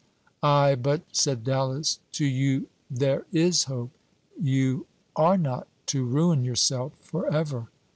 "Ay, but," said Dallas, "to you there is hope; you are not to ruin yourself forever."